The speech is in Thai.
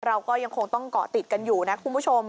เราก็ยังคงต้องเกาะติดกันอยู่นะคุณผู้ชม